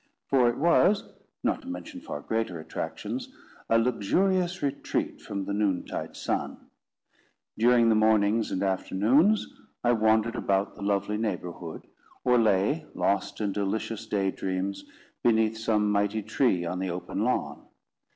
For it was, not to mention far greater attractions, a luxurious retreat from the noontide sun. During the mornings and afternoons, I wandered about the lovely neighbourhood, or lay, lost in delicious day dreams, beneath some mighty tree on the open lawn.